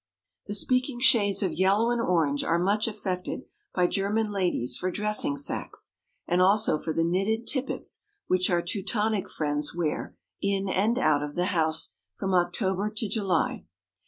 The speaking shades of yellow and orange are much affected by German ladies for dressing sacks, and also for the knitted tippets which our Teutonic friends wear, in and out of the house, from October to July.